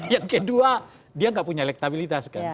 yang kedua dia nggak punya elektabilitas kan